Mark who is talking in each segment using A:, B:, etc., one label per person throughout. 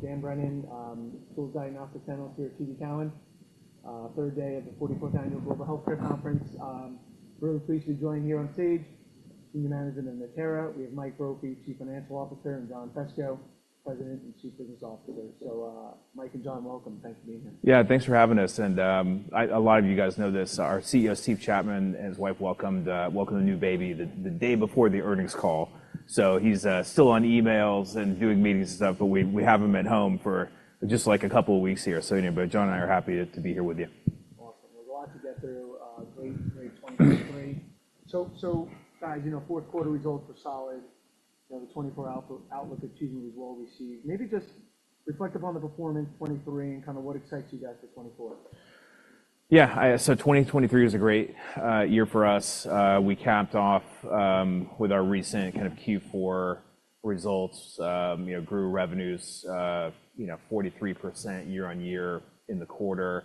A: Dan Brennan, Tools and Diagnostics here at TD Cowen, third day of the 44th Annual Global Healthcare Conference. Really pleased to be joining here on stage. Senior management of Natera, we have Mike Brophy, Chief Financial Officer, and John Fesko, President and Chief Business Officer. So, Mike and John, welcome. Thanks for being here.
B: Yeah, thanks for having us. I—a lot of you guys know this, our CEO, Steve Chapman, and his wife welcomed the new baby the day before the earnings call. So he's still on emails and doing meetings and stuff, but we have him at home for just, like, a couple of weeks here. So, you know, but John and I are happy to be here with you.
A: Awesome. There's a lot to get through. Great, great 2023. So, so, guys, you know, fourth quarter results were solid. You know, the 2024 outlook achievement was well received. Maybe just reflect upon the performance 2023 and kind of what excites you guys for 2024.
B: Yeah, so 2023 was a great year for us. We capped off with our recent kind of Q4 results. You know, grew revenues, you know, 43% year-over-year in the quarter.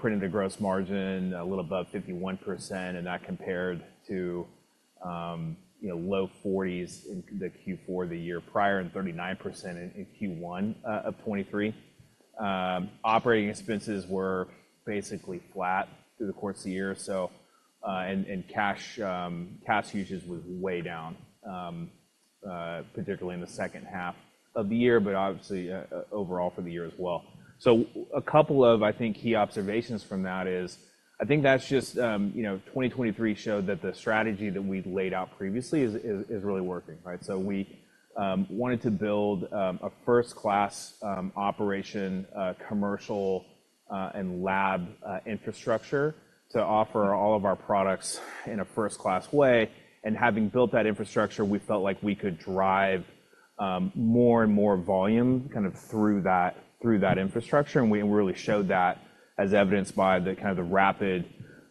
B: Printed a gross margin a little above 51%, and that compared to, you know, low 40s in the Q4 the year prior and 39% in Q1 of 2023. Operating expenses were basically flat through the course of the year. So, cash usage was way down, particularly in the second half of the year, but obviously, overall for the year as well. So a couple of, I think, key observations from that is I think that's just, you know, 2023 showed that the strategy that we'd laid out previously is really working, right? So we wanted to build a first-class operation, commercial, and lab infrastructure to offer all of our products in a first-class way. And having built that infrastructure, we felt like we could drive more and more volume kind of through that infrastructure. And we really showed that as evidenced by the kind of the rapid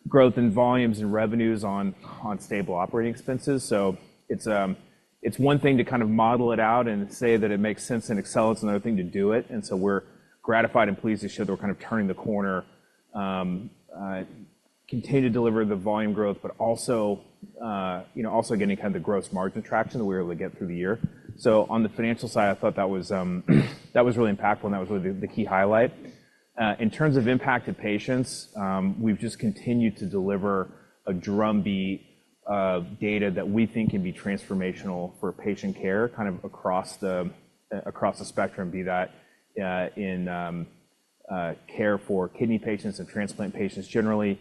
B: growth in volumes and revenues on stable operating expenses. So it's one thing to kind of model it out and say that it makes sense and scales; another thing to do it. And so we're gratified and pleased to show that we're kind of turning the corner, continue to deliver the volume growth, but also, you know, also getting kind of the gross margin traction that we were able to get through the year. So on the financial side, I thought that was, that was really impactful, and that was really the, the key highlight. In terms of impact to patients, we've just continued to deliver a drumbeat, data that we think can be transformational for patient care kind of across the, across the spectrum, be that, in, care for kidney patients and transplant patients generally.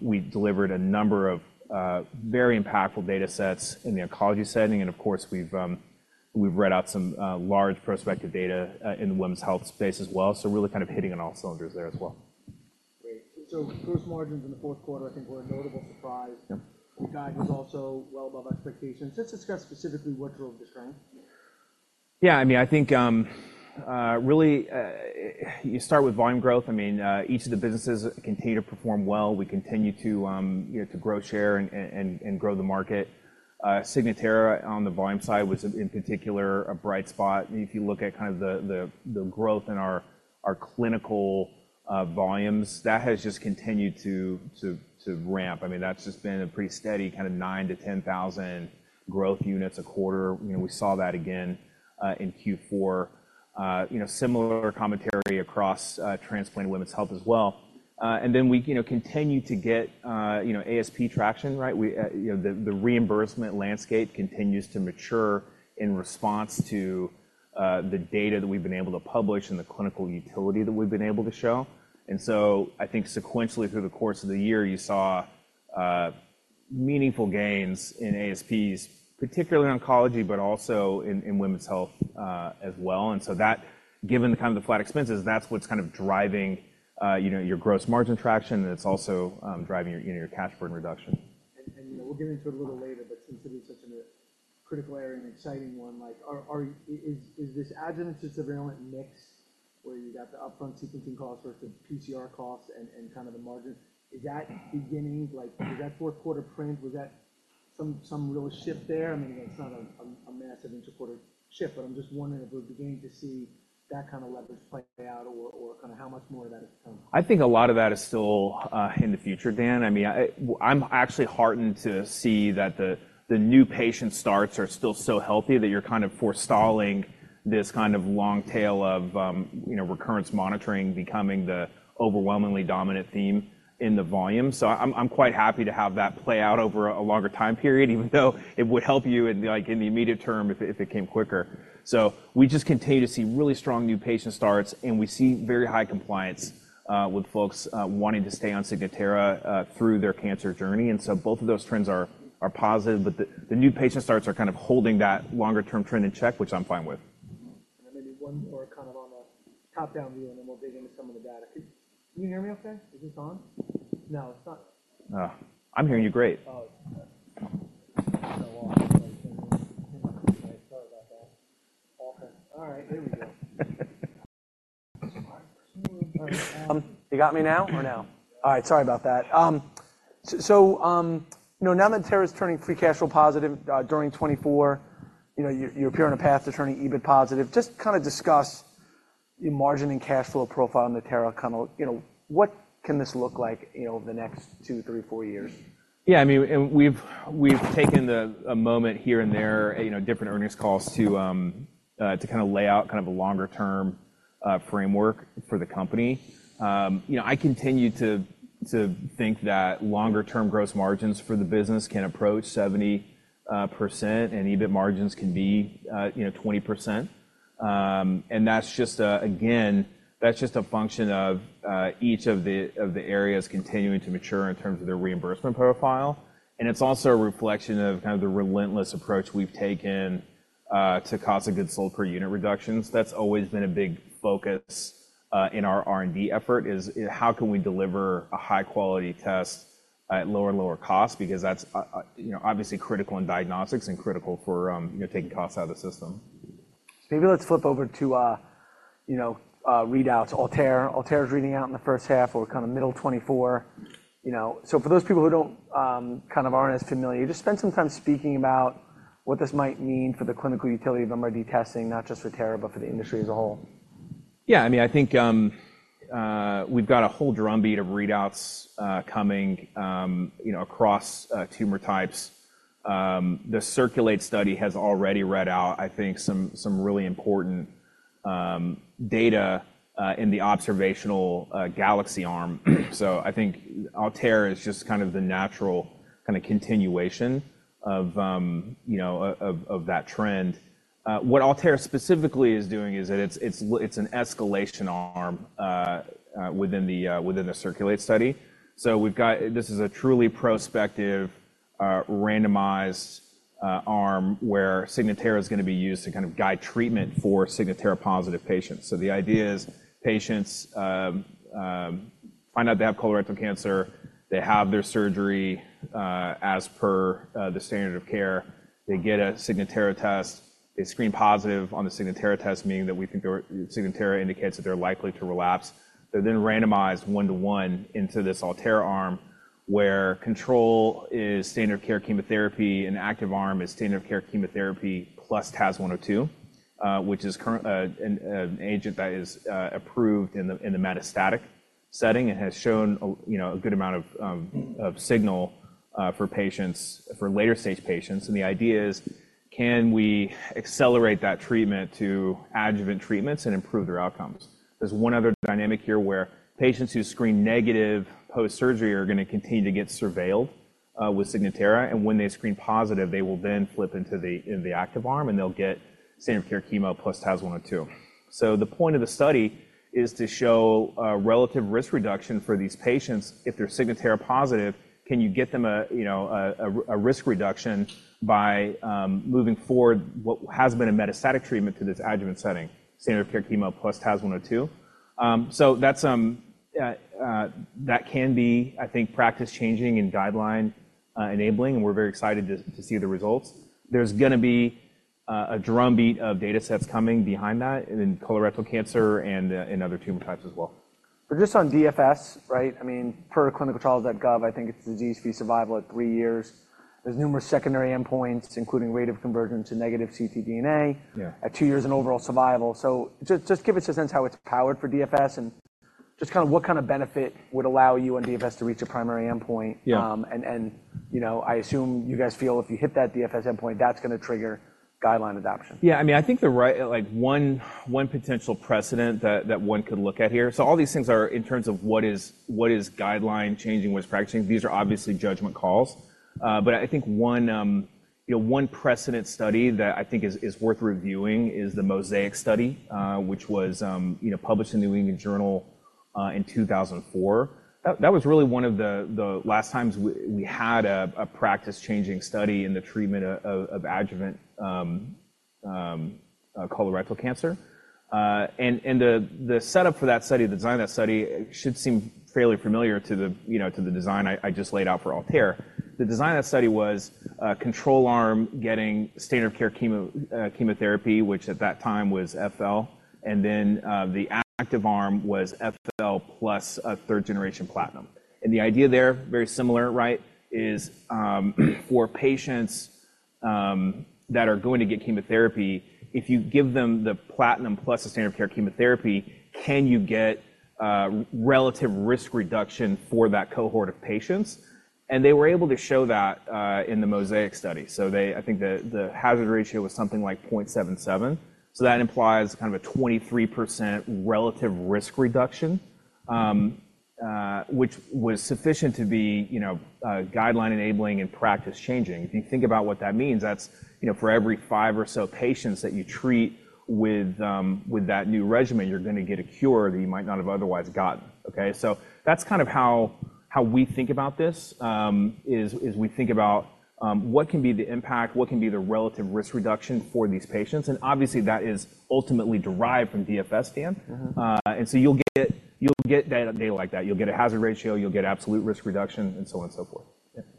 B: We delivered a number of, very impactful data sets in the oncology setting. And of course, we've, we've read out some, large prospective data, in the women's health space as well. So really kind of hitting on all cylinders there as well.
A: Great. So, so gross margins in the fourth quarter, I think, were a notable surprise.
B: Yep.
A: The guidance was also well above expectations. Let's discuss specifically what drove this growth.
B: Yeah, I mean, I think, really, you start with volume growth. I mean, each of the businesses continue to perform well. We continue to, you know, to grow share and grow the market. Signatera on the volume side was, in particular, a bright spot. If you look at kind of the growth in our clinical volumes, that has just continued to ramp. I mean, that's just been a pretty steady kind of 9,000-10,000 growth units a quarter. You know, we saw that again, in Q4. You know, similar commentary across transplant, women's health as well. And then we, you know, continue to get, you know, ASP traction, right? We, you know, the reimbursement landscape continues to mature in response to the data that we've been able to publish and the clinical utility that we've been able to show. And so I think sequentially through the course of the year, you saw meaningful gains in ASPs, particularly oncology, but also in women's health, as well. And so that, given the kind of the flat expenses, that's what's kind of driving, you know, your gross margin traction. And it's also driving your, you know, your cash burden reduction.
A: You know, we'll get into it a little later, but since it is such a critical area and exciting one, like, is this adjuvant to surveillance mix where you got the upfront sequencing cost versus PCR costs and kind of the margins, is that beginning? Like, was that fourth quarter print? Was that some real shift there? I mean, again, it's not a massive interquarter shift, but I'm just wondering if we're beginning to see that kind of leverage play out or kind of how much more of that is coming?
B: I think a lot of that is still in the future, Dan. I mean, I'm actually heartened to see that the new patient starts are still so healthy that you're kind of forestalling this kind of long tail of, you know, recurrence monitoring becoming the overwhelmingly dominant theme in the volume. So I'm quite happy to have that play out over a longer time period, even though it would help you in, like, the immediate term if it came quicker. So we just continue to see really strong new patient starts, and we see very high compliance with folks wanting to stay on Signatera through their cancer journey. And so both of those trends are positive, but the new patient starts are kind of holding that longer-term trend in check, which I'm fine with.
A: And then maybe one more kind of on the top-down view, and then we'll dig into some of the data. Can you hear me okay? Is this on? No, it's not.
B: Oh, I'm hearing you great.
A: Oh, it's good. So long. Sorry about that. Awesome. All right. Here we go.
C: All right.
B: You got me now or no?
C: Yeah.
A: All right. Sorry about that. You know, now Natera's turning free cash flow positive during 2024. You know, you're appearing on a path to turning EBIT positive. Just kind of discuss your margin and cash flow profile in Natera, you know, what can this look like, you know, over the next two, three, four years?
B: Yeah, I mean, and we've taken a moment here and there, you know, in different earnings calls to kind of lay out a longer-term framework for the company. You know, I continue to think that longer-term gross margins for the business can approach 70%, and EBIT margins can be, you know, 20%. And that's just again, that's just a function of each of the areas continuing to mature in terms of their reimbursement profile. And it's also a reflection of the relentless approach we've taken to cost of goods sold per unit reductions. That's always been a big focus in our R&D effort: how can we deliver a high-quality test at lower and lower costs? Because that's, you know, obviously critical in diagnostics and critical for, you know, taking costs out of the system.
A: So maybe let's flip over to, you know, readouts. ALTAIR's reading out in the first half, or kind of middle 2024. You know, so for those people who don't, kind of aren't as familiar, you just spent some time speaking about what this might mean for the clinical utility of MRD testing, not just for Signatera, but for the industry as a whole.
B: Yeah, I mean, I think we've got a whole drumbeat of readouts coming, you know, across tumor types. The CIRCULATE study has already read out, I think, some really important data in the observational GALAXY arm. So I think ALTAIR is just kind of the natural kind of continuation of, you know, of that trend. What ALTAIR specifically is doing is that it's an escalation arm within the within the CIRCULATE study. So we've got this is a truly prospective randomized arm where Signatera's going to be used to kind of guide treatment for Signatera-positive patients. So the idea is patients find out they have colorectal cancer. They have their surgery, as per the standard of care. They get a Signatera test. They screen positive on the Signatera test, meaning that we think their Signatera indicates that they're likely to relapse. They're then randomized one-to-one into this ALTAIR arm where control is standard of care chemotherapy, and active arm is standard of care chemotherapy plus TAS-102, which is currently an agent that is approved in the metastatic setting and has shown, you know, a good amount of signal for patients for later-stage patients. And the idea is, can we accelerate that treatment to adjuvant treatments and improve their outcomes? There's one other dynamic here where patients who screen negative post-surgery are going to continue to get surveilled with Signatera. And when they screen positive, they will then flip into the active arm, and they'll get standard of care chemo plus TAS-102. So the point of the study is to show a relative risk reduction for these patients. If they're Signatera-positive, can you get them a, you know, risk reduction by moving forward what has been a metastatic treatment to this adjuvant setting, standard of care chemo plus TAS-102? So that's, that can be, I think, practice-changing and guideline-enabling. And we're very excited to see the results. There's going to be a drumbeat of data sets coming behind that in colorectal cancer and in other tumor types as well.
A: But just on DFS, right? I mean, per ClinicalTrials.gov, I think it's disease-free survival at three years. There's numerous secondary endpoints, including rate of convergence to negative ctDNA.
B: Yeah.
A: At two years and overall survival. So just, just give us a sense how it's powered for DFS and just kind of what kind of benefit would allow you and DFS to reach a primary endpoint.
B: Yeah.
A: You know, I assume you guys feel if you hit that DFS endpoint, that's going to trigger guideline adoption.
B: Yeah, I mean, I think the right, like, one, one potential precedent that one could look at here. So all these things are in terms of what is guideline-changing, what is practice-changing. These are obviously judgment calls. I think one, you know, one precedent study that I think is worth reviewing is the MOSAIC study, which was, you know, published in the New England Journal, in 2004. That was really one of the last times we had a practice-changing study in the treatment of adjuvant colorectal cancer. And the setup for that study, the design of that study should seem fairly familiar to the, you know, to the design I just laid out for ALTAIR. The design of that study was a control arm getting standard-of-care chemotherapy, which at that time was FL. Then, the active arm was FL plus a third-generation platinum. The idea there, very similar, right, is, for patients that are going to get chemotherapy, if you give them the platinum plus the standard of care chemotherapy, can you get relative risk reduction for that cohort of patients? They were able to show that in the MOSAIC study. So, I think the hazard ratio was something like 0.77. That implies kind of a 23% relative risk reduction, which was sufficient to be, you know, guideline enabling and practice-changing. If you think about what that means, that's, you know, for every five or so patients that you treat with that new regimen, you're going to get a cure that you might not have otherwise gotten, okay? So that's kind of how we think about this, is we think about what can be the impact, what can be the relative risk reduction for these patients. And obviously, that is ultimately derived from DFS, Dan.
A: Mm-hmm.
B: and so you'll get data like that. You'll get a hazard ratio. You'll get absolute risk reduction, and so on and so forth.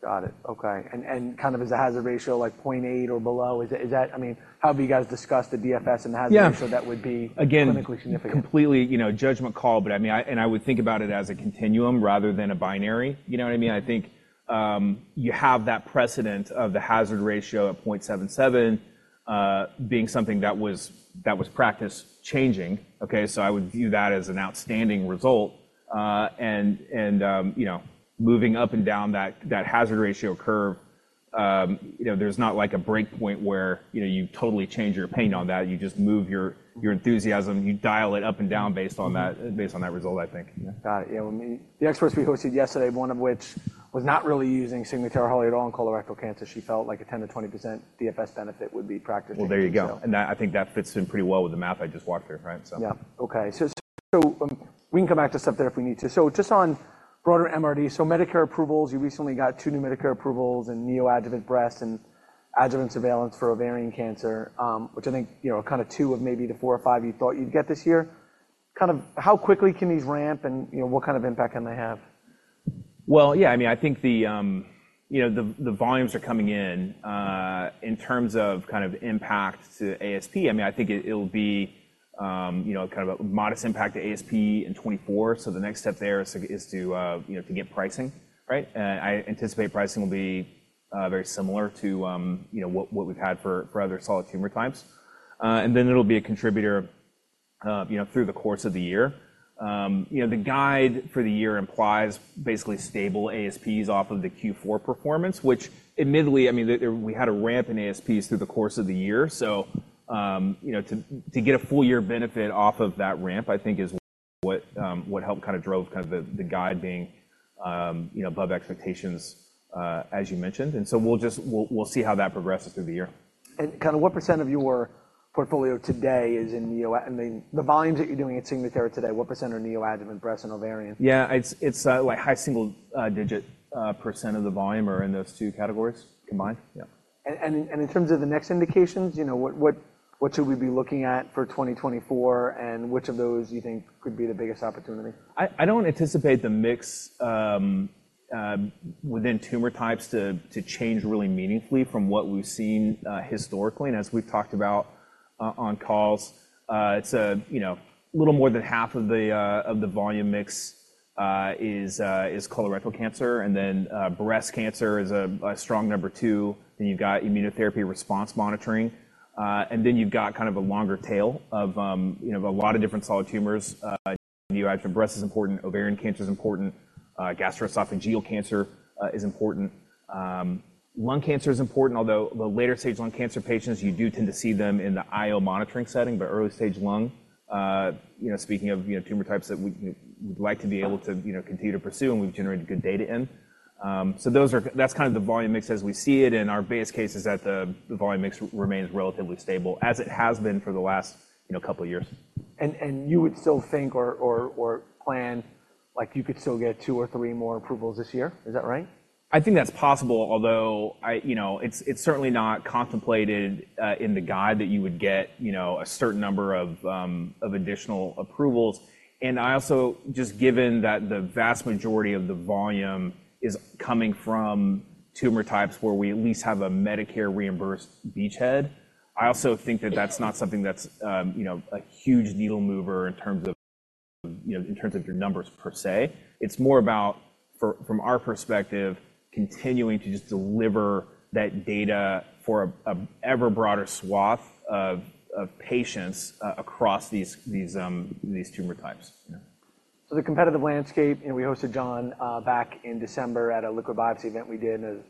A: Got it. Okay. And kind of is the hazard ratio, like, 0.8 or below? Is it that? I mean, how have you guys discussed the DFS and the hazard ratio that would be.
B: Yeah. Again.
A: Clinically significant?
B: Completely, you know, a judgment call. But I mean, I would think about it as a continuum rather than a binary, you know what I mean? I think, you have that precedent of the hazard ratio at 0.77, being something that was practice-changing, okay? So I would view that as an outstanding result. And, you know, moving up and down that hazard ratio curve, you know, there's not, like, a breakpoint where, you know, you totally change your opinion on that. You just move your enthusiasm. You dial it up and down based on that result, I think.
A: Yeah. Got it. Yeah. Well, I mean, the experts we hosted yesterday, one of which was not really using Signatera wholly at all in colorectal cancer, she felt like a 10%-20% DFS benefit would be practice-changing.
B: Well, there you go. And that I think that fits in pretty well with the math I just walked through, right? So.
A: Yeah. Okay. So, we can come back to stuff there if we need to. So just on broader MRD, so Medicare approvals, you recently got two new Medicare approvals in neoadjuvant breast and adjuvant surveillance for ovarian cancer, which I think, you know, kind of two of maybe the four or five you thought you'd get this year. Kind of how quickly can these ramp and, you know, what kind of impact can they have?
B: Well, yeah, I mean, I think the, you know, the, the volumes are coming in, in terms of kind of impact to ASP. I mean, I think it'll be, you know, kind of a modest impact to ASP in 2024. So the next step there is to, is to, you know, to get pricing, right? And I anticipate pricing will be very similar to, you know, what, what we've had for, for other solid tumor types. And then it'll be a contributor, you know, through the course of the year. You know, the guide for the year implies basically stable ASPs off of the Q4 performance, which admittedly, I mean, there, there we had a ramp in ASPs through the course of the year. So, you know, to get a full-year benefit off of that ramp, I think, is what helped kind of drove the guide being, you know, above expectations, as you mentioned. And so we'll just see how that progresses through the year.
A: Kind of what % of your portfolio today is in neo? I mean, the volumes that you're doing at Signatera today, what % are neoadjuvant breast and ovarian?
B: Yeah, it's like high single-digit percent of the volume are in those two categories combined. Yeah.
A: In terms of the next indications, you know, what should we be looking at for 2024, and which of those do you think could be the biggest opportunity?
C: I don't anticipate the mix within tumor types to change really meaningfully from what we've seen, historically, and as we've talked about, on calls. It's a, you know, a little more than half of the volume mix is colorectal cancer. And then, breast cancer is a strong number two. Then you've got immunotherapy response monitoring. And then you've got kind of a longer tail of, you know, a lot of different solid tumors. Neoadjuvant breast is important. Ovarian cancer is important. Gastroesophageal cancer is important. Lung cancer is important, although the later-stage lung cancer patients, you do tend to see them in the IO monitoring setting. But early-stage lung, you know, speaking of, you know, tumor types that we, you know, would like to be able to, you know, continue to pursue, and we've generated good data in. So those are that's kind of the volume mix as we see it. And our base case is that the volume mix remains relatively stable as it has been for the last, you know, couple of years.
A: And you would still think or plan, like, you could still get two or three more approvals this year? Is that right?
C: I think that's possible, although I, you know, it's certainly not contemplated in the guide that you would get, you know, a certain number of additional approvals. And I also just given that the vast majority of the volume is coming from tumor types where we at least have a Medicare-reimbursed beachhead, I also think that that's not something that's, you know, a huge needle mover in terms of, you know, in terms of your numbers per se. It's more about, from our perspective, continuing to just deliver that data for a ever broader swath of patients, across these tumor types. Yeah.
A: So the competitive landscape, you know, we hosted John back in December at a liquid biopsy event we did. And there's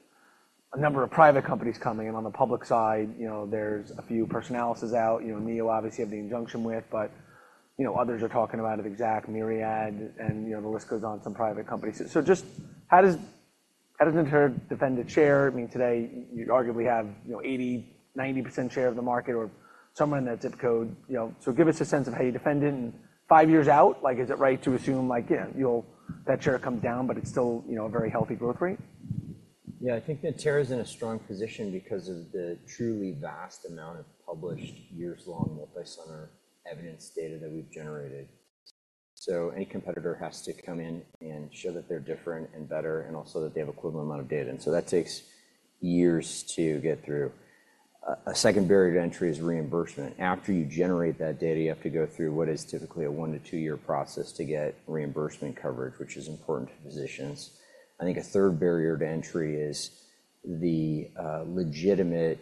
A: a number of private companies coming. And on the public side, you know, there's a few Personalis out, you know, Neo obviously have the injunction with, but you know, others are talking about it Exact Myriad. And you know, the list goes on some private companies. So just how does Natera defend its share? I mean, today, you arguably have, you know, 80%-90% share of the market or somewhere in that zip code, you know? So give us a sense of how you defend it. And five years out, like, is it right to assume, like, yeah, you'll that share comes down, but it's still, you know, a very healthy growth rate?
C: Yeah, I think Natera is in a strong position because of the truly vast amount of published years-long multicenter evidence data that we've generated. So any competitor has to come in and show that they're different and better and also that they have equivalent amount of data. And so that takes years to get through. A second barrier to entry is reimbursement. After you generate that data, you have to go through what is typically a 1- to 2-year process to get reimbursement coverage, which is important to physicians. I think a third barrier to entry is the legitimate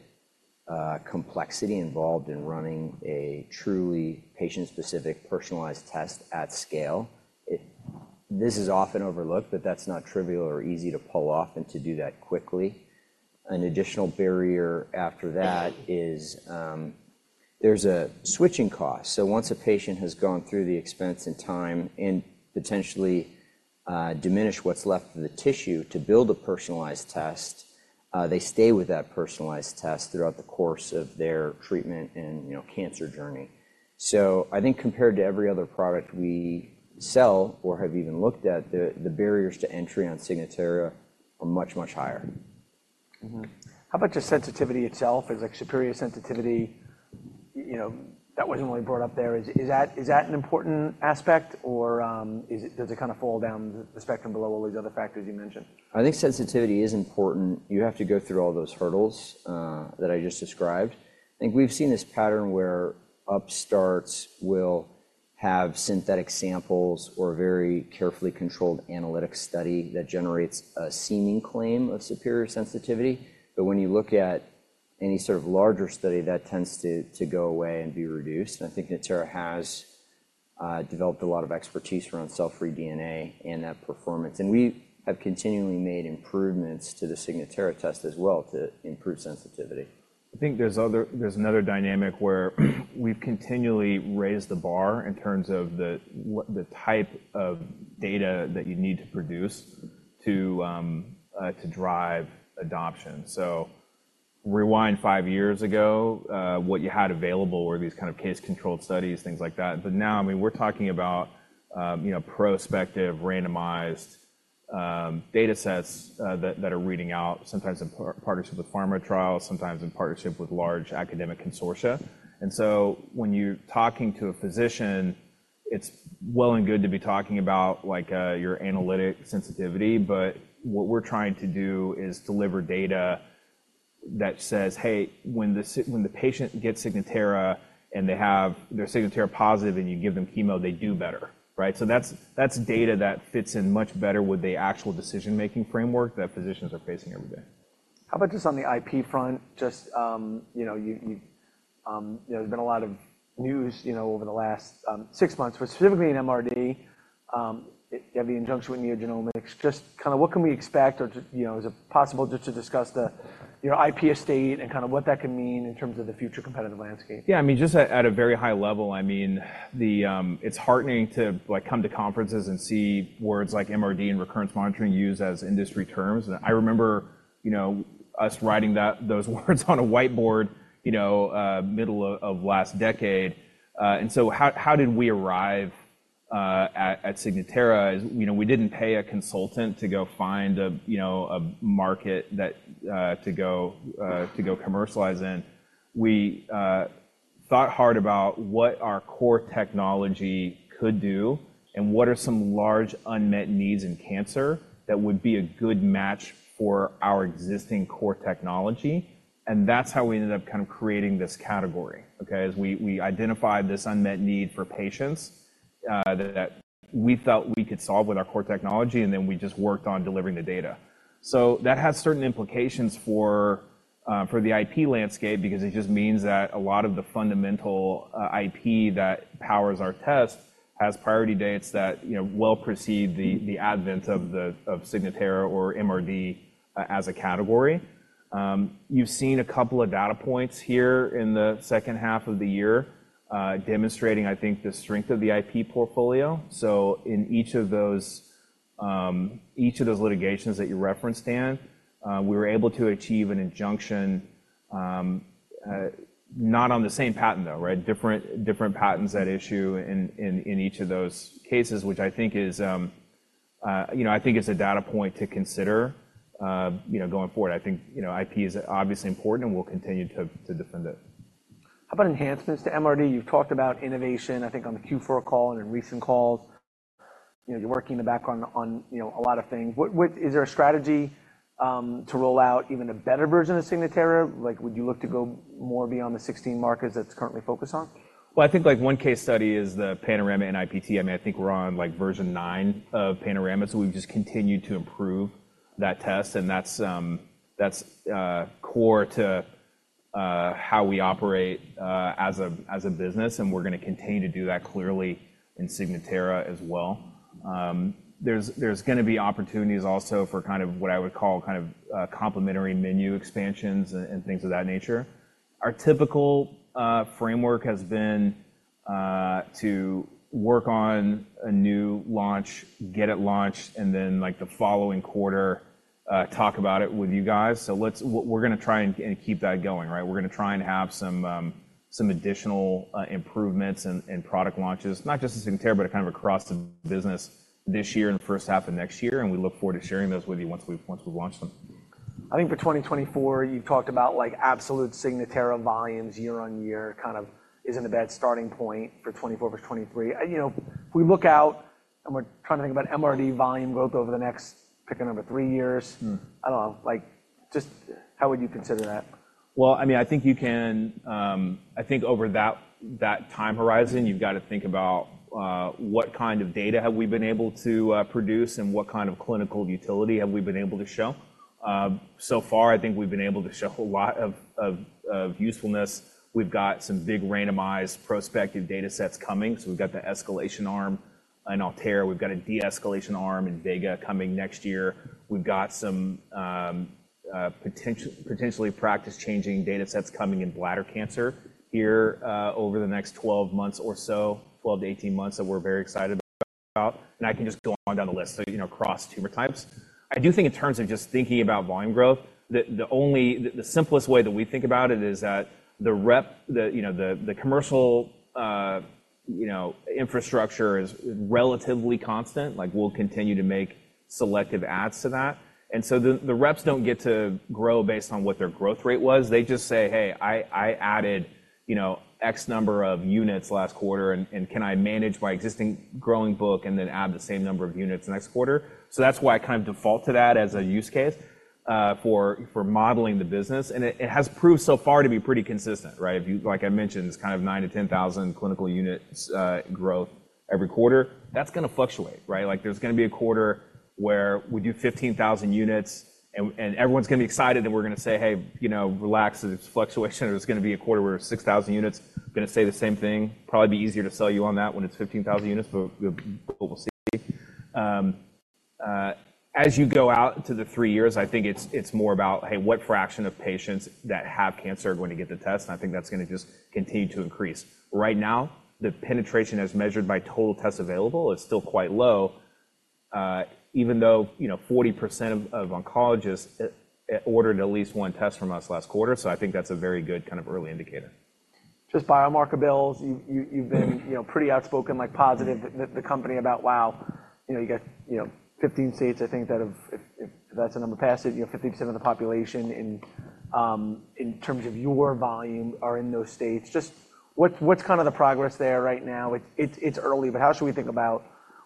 C: complexity involved in running a truly patient-specific personalized test at scale. It, this is often overlooked, but that's not trivial or easy to pull off and to do that quickly. An additional barrier after that is, there's a switching cost. So once a patient has gone through the expense and time and potentially, diminished what's left of the tissue to build a personalized test, they stay with that personalized test throughout the course of their treatment and, you know, cancer journey. So I think compared to every other product we sell or have even looked at, the barriers to entry on Signatera are much, much higher.
A: Mm-hmm. How about just sensitivity itself? It's, like, superior sensitivity. You know, that wasn't really brought up there. Is that an important aspect, or does it kind of fall down the spectrum below all these other factors you mentioned?
C: I think sensitivity is important. You have to go through all those hurdles, that I just described. I think we've seen this pattern where upstarts will have synthetic samples or a very carefully controlled analytic study that generates a seeming claim of superior sensitivity. But when you look at any sort of larger study, that tends to go away and be reduced. And I think Natera has developed a lot of expertise around cell-free DNA and that performance. And we have continually made improvements to the Signatera test as well to improve sensitivity.
B: I think there's another dynamic where we've continually raised the bar in terms of the what the type of data that you need to produce to drive adoption. So rewind five years ago, what you had available were these kind of case-controlled studies, things like that. But now, I mean, we're talking about, you know, prospective randomized data sets, that are reading out, sometimes in partnership with pharma trials, sometimes in partnership with large academic consortia. And so when you're talking to a physician, it's well and good to be talking about, like, your analytic sensitivity. But what we're trying to do is deliver data that says, "Hey, when the patient gets Signatera and they're Signatera positive and you give them chemo, they do better," right? So that's data that fits in much better with the actual decision-making framework that physicians are facing every day.
A: How about just on the IP front? Just, you know, you've, you know, there's been a lot of news, you know, over the last 6 months, but specifically in MRD, you have the injunction with NeoGenomics. Just kind of what can we expect or, you know, is it possible just to discuss the, you know, IP estate and kind of what that can mean in terms of the future competitive landscape?
C: Yeah, I mean, just at a very high level, I mean, it's heartening to, like, come to conferences and see words like MRD and recurrence monitoring used as industry terms. And I remember, you know, us writing those words on a whiteboard, you know, middle of last decade. So how did we arrive at Signatera? You know, we didn't pay a consultant to go find a, you know, a market to go commercialize in. We thought hard about what our core technology could do and what are some large unmet needs in cancer that would be a good match for our existing core technology. And that's how we ended up kind of creating this category, okay, is we identified this unmet need for patients, that we thought we could solve with our core technology, and then we just worked on delivering the data. So that has certain implications for the IP landscape because it just means that a lot of the fundamental IP that powers our test has priority dates that, you know, well precede the advent of Signatera or MRD, as a category. You've seen a couple of data points here in the second half of the year, demonstrating, I think, the strength of the IP portfolio. So in each of those, each of those litigations that you referenced, Dan, we were able to achieve an injunction, not on the same pattern, though, right? Different patterns at issue in each of those cases, which I think is, you know, I think it's a data point to consider, you know, going forward. I think, you know, IP is obviously important and we'll continue to defend it.
A: How about enhancements to MRD? You've talked about innovation, I think, on the Q4 call and in recent calls. You know, you're working in the background on, you know, a lot of things. What is there a strategy to roll out even a better version of Signatera? Like, would you look to go more beyond the 16 markets that's currently focused on?
B: Well, I think, like, one case study is the Panorama NIPT. I mean, I think we're on, like, version nine of Panorama. So we've just continued to improve that test. And that's core to how we operate as a business. And we're going to continue to do that clearly in Signatera as well. There's going to be opportunities also for kind of what I would call kind of complementary menu expansions and things of that nature. Our typical framework has been to work on a new launch, get it launched, and then, like, the following quarter, talk about it with you guys. So let's we're going to try and keep that going, right? We're going to try and have some additional improvements and product launches, not just in Signatera, but kind of across the business this year and first half of next year. We look forward to sharing those with you once we've launched them.
A: I think for 2024, you've talked about, like, absolute Signatera volumes year on year kind of isn't a bad starting point for 2024 versus 2023. You know, if we look out and we're trying to think about MRD volume growth over the next picking number three years. I don't know. Like, just how would you consider that?
B: Well, I mean, I think you can, I think over that, that time horizon, you've got to think about, what kind of data have we been able to, produce and what kind of clinical utility have we been able to show. So far, I think we've been able to show a lot of, of usefulness. We've got some big randomized prospective data sets coming. So we've got the escalation arm in ALTAIR. We've got a de-escalation arm in VEGA coming next year. We've got some, potentially practice-changing data sets coming in bladder cancer here, over the next 12 months or so, 12 to 18 months that we're very excited about. And I can just go on down the list, you know, across tumor types. I do think in terms of just thinking about volume growth, the simplest way that we think about it is that the rep, you know, the commercial infrastructure is relatively constant. Like, we'll continue to make selective adds to that. And so the reps don't get to grow based on what their growth rate was. They just say, "Hey, I added, you know, X number of units last quarter. And can I manage my existing growing book and then add the same number of units next quarter?" So that's why I kind of default to that as a use case for modeling the business. And it has proved so far to be pretty consistent, right? If you like I mentioned, it's kind of 9-10,000 clinical units growth every quarter. That's going to fluctuate, right? Like, there's going to be a quarter where we do 15,000 units, and, and everyone's going to be excited. And we're going to say, "Hey, you know, relax. It's fluctuation." Or there's going to be a quarter where it's 6,000 units. I'm going to say the same thing. Probably be easier to sell you on that when it's 15,000 units, but we'll, we'll see. As you go out to the 3 years, I think it's, it's more about, "Hey, what fraction of patients that have cancer are going to get the test?" And I think that's going to just continue to increase. Right now, the penetration as measured by total tests available is still quite low, even though, you know, 40% of, of oncologists ordered at least one test from us last quarter. So I think that's a very good kind of early indicator.
A: Just biomarker bills. You've been, you know, pretty outspoken, like, positive about the company, "Wow, you know, you got, you know, 15 states, I think, that have, if that's the number, passed, you know, 50% of the population in terms of your volume are in those states." Just what's kind of the progress there right now? It's early, but how should we think about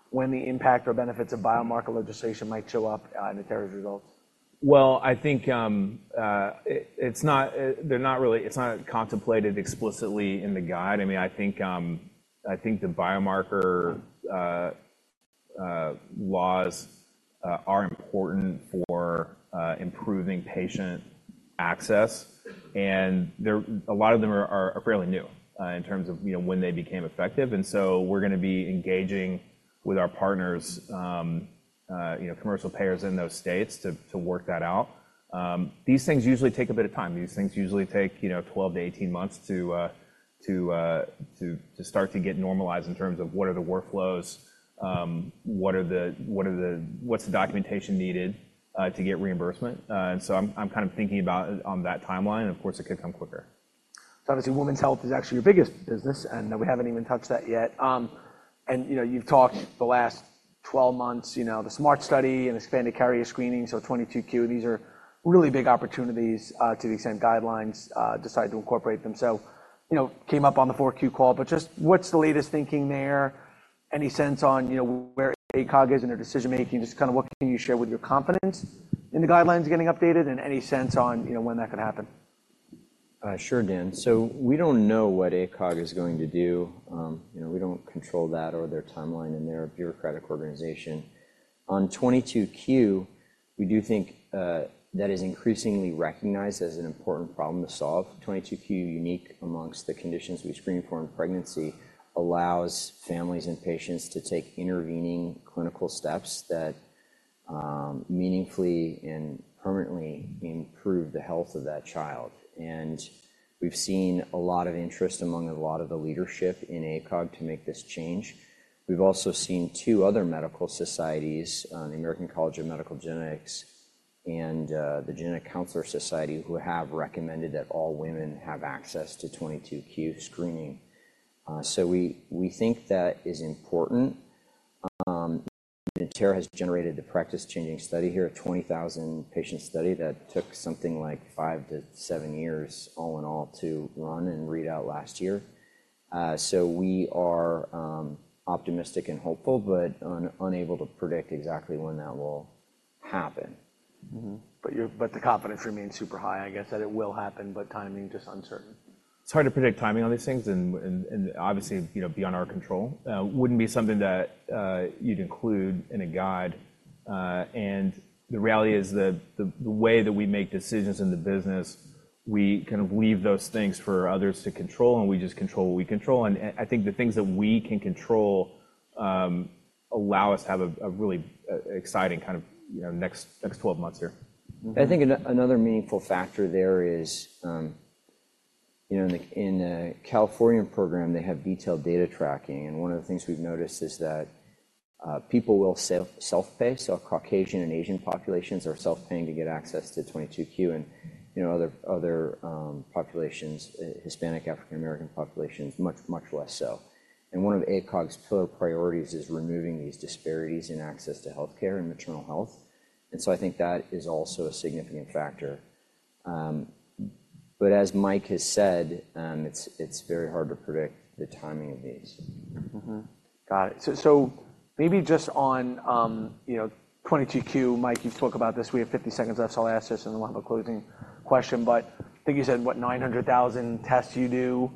A: when the impact or benefits of biomarker legislation might show up in Natera's results?
B: Well, I think it's not really contemplated explicitly in the guide. I mean, I think the biomarker laws are important for improving patient access. And a lot of them are fairly new, in terms of, you know, when they became effective. And so we're going to be engaging with our partners, you know, commercial payers in those states to work that out. These things usually take a bit of time. These things usually take, you know, 12-18 months to start to get normalized in terms of what are the workflows, what is the documentation needed to get reimbursement? And so I'm kind of thinking about it on that timeline. And of course, it could come quicker.
A: Obviously, women's health is actually your biggest business, and we haven't even touched that yet. You know, you've talked the last 12 months, you know, the SMART study and expanded carrier screening, so 22q. These are really big opportunities, to the extent guidelines decide to incorporate them. So, you know, came up on the 4Q call, but just what's the latest thinking there? Any sense on, you know, where ACOG is in their decision-making? Just kind of what can you share with your confidence in the guidelines getting updated and any sense on, you know, when that could happen?
B: Sure, Dan. So we don't know what ACOG is going to do. You know, we don't control that or their timeline and their bureaucratic organization. On 22q, we do think that is increasingly recognized as an important problem to solve. 22q, unique amongst the conditions we screen for in pregnancy, allows families and patients to take intervening clinical steps that meaningfully and permanently improve the health of that child. And we've seen a lot of interest among a lot of the leadership in ACOG to make this change. We've also seen two other medical societies, the American College of Medical Genetics and the Genetic Counselors Society, who have recommended that all women have access to 22q screening. So we think that is important. Natera has generated the practice-changing study here, a 20,000-patient study that took something like 5-7 years all in all to run and read out last year. So we are optimistic and hopeful, but unable to predict exactly when that will happen. Mm-hmm. But the confidence remains super high, I guess, that it will happen, but timing just uncertain. It's hard to predict timing on these things and obviously, you know, beyond our control. It wouldn't be something that you'd include in a guide. And the reality is the way that we make decisions in the business, we kind of leave those things for others to control, and we just control what we control. And I think the things that we can control allow us to have a really exciting kind of, you know, next 12 months here.
C: I think another meaningful factor there is, you know, in the California program, they have detailed data tracking. And one of the things we've noticed is that, people will self-pay. So Caucasian and Asian populations are self-paying to get access to 22q. And, you know, other populations, Hispanic, African-American populations, much less so. And one of ACOG's pillar priorities is removing these disparities in access to healthcare and maternal health. And so I think that is also a significant factor. But as Mike has said, it's very hard to predict the timing of these.
A: Mm-hmm. Got it. So, so maybe just on, you know, 22Q, Mike, you've spoke about this. We have 50 seconds left. So I'll ask this and then we'll have a closing question. But I think you said, what, 900,000 tests you do,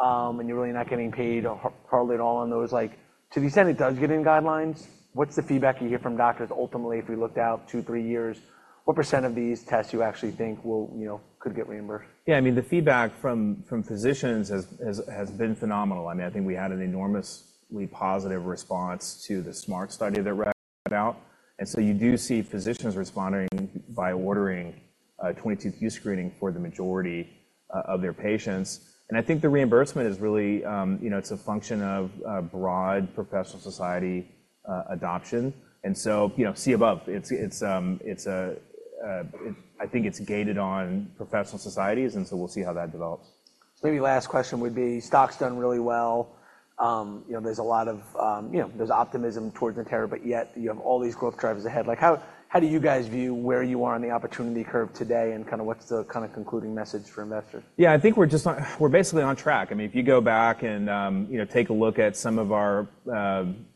A: and you're really not getting paid hardly at all on those. Like, to the extent it does get in guidelines, what's the feedback you hear from doctors ultimately if we looked out two, three years? What % of these tests you actually think will, you know, could get reimbursed?
B: Yeah. I mean, the feedback from physicians has been phenomenal. I mean, I think we had an enormously positive response to the SMART study that read out. And so you do see physicians responding by ordering 22q screening for the majority of their patients. And I think the reimbursement is really, you know, it's a function of broad professional society adoption. And so, you know, see above. It's a, I think it's gated on professional societies. And so we'll see how that develops.
A: Maybe last question would be, the stock's done really well. You know, there's a lot of, you know, there's optimism towards Natera, but yet you have all these growth drivers ahead. Like, how, how do you guys view where you are on the opportunity curve today and kind of what's the kind of concluding message for investors?
B: Yeah. I think we're basically on track. I mean, if you go back and, you know, take a look at some of our,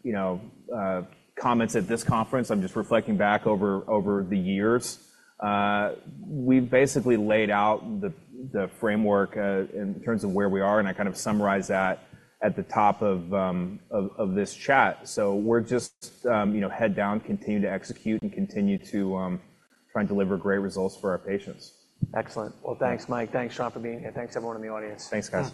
B: you know, comments at this conference, I'm just reflecting back over the years. We've basically laid out the framework in terms of where we are. And I kind of summarized that at the top of this chat. So we're just, you know, head down, continue to execute, and continue to try and deliver great results for our patients.
A: Excellent. Well, thanks, Mike. Thanks, John, for being here. Thanks, everyone in the audience.
C: Thanks, guys.